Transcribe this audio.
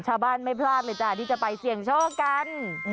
ชาวบ้านไม่พลาดเลยจ้ะที่จะไปเสี่ยงโชคกัน